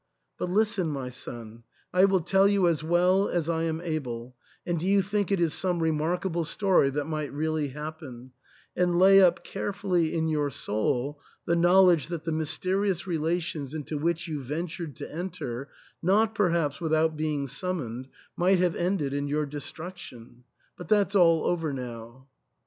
But listen, my son, I will tell you as well as I am able, and do you think it is some remarkable story that might really happen ; and lay up carefully in your soul the knowledge that the mysteri ous relations into which you ventured to enter, not per haps without being summoned, might have ended in your destruction — but — ^that's all over now."